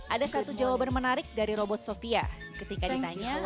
ada satu jawaban menarik dari robot sofia ketika ditanya apakah robot ini bisa diperoleh